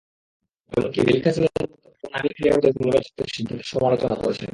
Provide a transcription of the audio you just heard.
এমনকি মিলখা সিংয়ের মতো ভারতের নামী ক্রীড়াবিদও নির্বাচকদের সিদ্ধান্তের সমালোচনা করেছেন।